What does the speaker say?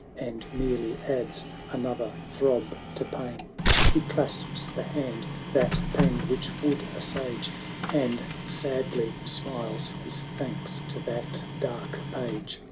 And merely adds another throb to pain. 1070 He clasps the hand that pang which I would assuage, . I And sadly smiles his thanks to that dark page.